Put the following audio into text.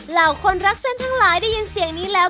เหล่าคนรักเส้นทั้งหลายได้ยินเสียงนี้แล้ว